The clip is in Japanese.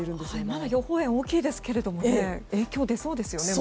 まだ、予報円は大きいですけどもね影響が出そうですね。